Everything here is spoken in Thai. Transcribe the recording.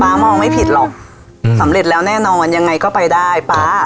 มองไม่ผิดหรอกอืมสำเร็จแล้วแน่นอนยังไงก็ไปได้ป๊า